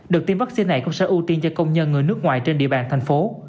được tiêm vaccine này cũng sẽ ưu tiên cho công nhân người nước ngoài trên địa bàn thành phố